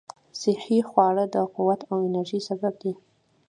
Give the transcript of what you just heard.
صحي خواړه د قوت او انرژۍ سبب دي.